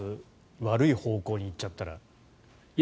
悪い方向に行っちゃったら。